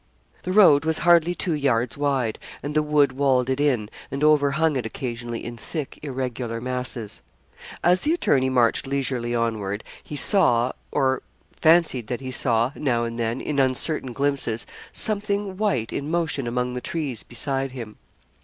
The road was hardly two yards wide, and the wood walled it in, and overhung it occasionally in thick, irregular masses. As the attorney marched leisurely onward, he saw, or fancied that he saw, now and then, in uncertain glimpses, something white in motion among the trees beside him.